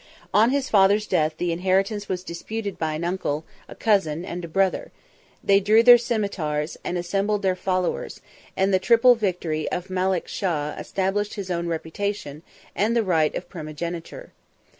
On his father's death the inheritance was disputed by an uncle, a cousin, and a brother: they drew their cimeters, and assembled their followers; and the triple victory of Malek Shah 41 established his own reputation and the right of primogeniture.